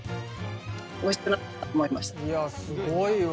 いやすごいわ。